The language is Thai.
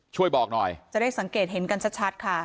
ช่วยบอกหน่อยจะได้สังเกตเห็นกันชัดค่ะ